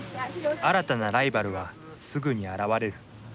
新たなライバルはすぐに現れる。